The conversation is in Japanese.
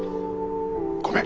ごめん。